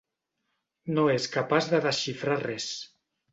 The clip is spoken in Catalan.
No és capaç de desxifrar res.